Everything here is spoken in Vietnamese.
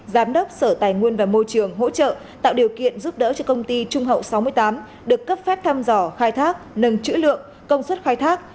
giám đốc sở tài nguyên và môi trường hỗ trợ tạo điều kiện giúp đỡ cho công ty trung hậu sáu mươi tám được cấp phép thăm dò khai thác nâng chữ lượng công suất khai thác